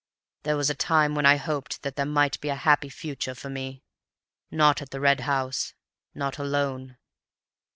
There was a time when I hoped that there might be a happy future for me, not at the Red House, not alone.